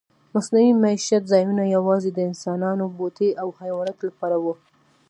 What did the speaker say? مصنوعي میشت ځایونه یواځې د انسانانو، بوټو او حیواناتو لپاره وو.